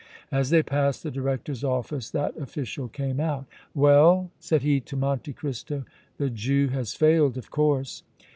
As they passed the director's office, that official came out. "Well?" said he to Monte Cristo. "The Jew has failed, of course!"